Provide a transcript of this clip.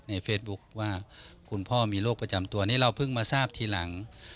เฟซบุ๊คว่าคุณพ่อมีโรคประจำตัวนี้เราเพิ่งมาทราบทีหลัง